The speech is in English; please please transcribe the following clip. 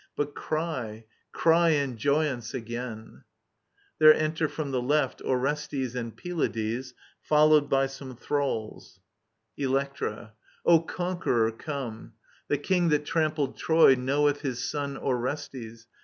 • But cry, cry in joyance again I [There enter from the left Orestes and Pylades, followed by some thralls. Digitized by VjOOQIC ELECTRA 57 Electra. O conqueror, come ! The king that trampled Troy Knoweth his Son Orestes.